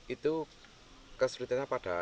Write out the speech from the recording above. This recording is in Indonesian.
itu kesulitannya pada